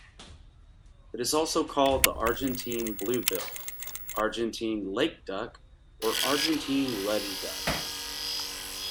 It is also called the Argentine blue-bill, Argentine lake duck, or Argentine ruddy duck.